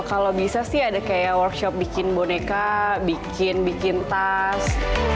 kalau bisa sih ada kayak workshop bikin boneka bikin bikin tas